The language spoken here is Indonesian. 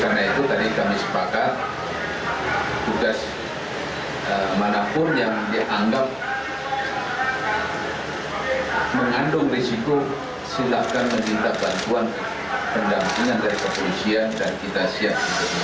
karena itu tadi kami sepakat tugas manapun yang dianggap mengandung risiko silakan minta bantuan pendampingan dari kepolisian dan kita siap